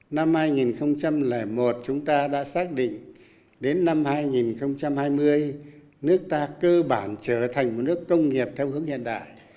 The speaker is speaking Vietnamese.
năm hai nghìn một chúng ta đã xác định đến năm hai nghìn hai mươi nước ta cơ bản trở thành một nước công nghiệp theo hướng hiện đại